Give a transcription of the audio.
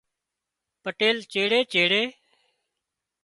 پٽيل چيڙي چيڙي